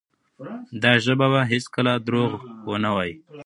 دا ژبه به هیڅکله درواغ ونه وایي.